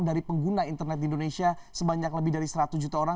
dari pengguna internet di indonesia sebanyak lebih dari seratus juta orang